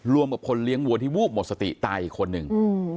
กับคนเลี้ยงวัวที่วูบหมดสติตายอีกคนนึง